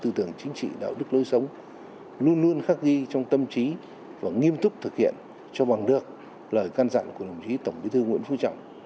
tư tưởng chính trị đạo đức lối sống luôn luôn khắc ghi trong tâm trí và nghiêm túc thực hiện cho bằng được lời can dặn của đồng chí tổng bí thư nguyễn phú trọng